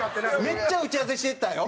めっちゃ打ち合わせしてたよ。